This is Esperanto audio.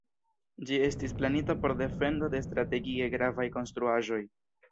Ĝi estis planita por defendo de strategie gravaj konstruaĵoj.